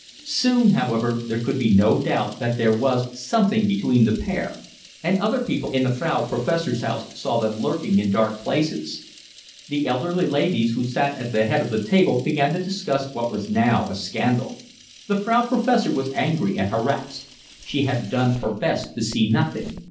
Soon, however, there could be no doubt that there was something between the pair, and other people in the Frau Professor's house saw them lurking in dark places. The elderly ladies who sat at the head of the table began to discuss what was now a scandal. The Frau Professor was angry and harassed. She had done her best to see nothing.